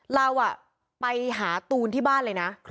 เราไปหาตูนที่บ้านเลยนะ